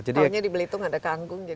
tahunya di belitung ada kangkung